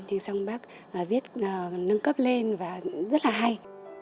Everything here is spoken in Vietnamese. thì xong bác viết nâng cấp lên và rất là hay